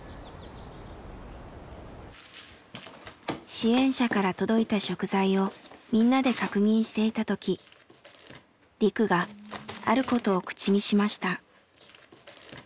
支援者から届いた食材をみんなで確認していたときリクがあることを口にしました。